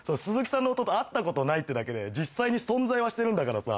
ねえ会ったことないってだけで実際に存在はしてるんだからさ